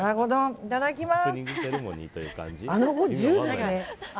いただきます。